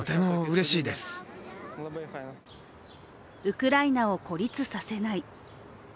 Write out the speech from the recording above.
ウクライナを孤立させない。